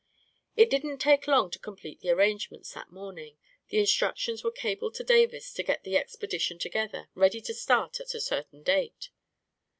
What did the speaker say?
It didn't take long to complete the arrangements that morning, and instructions were cabled to Davis to get the expedition together, ready to start at a certain date.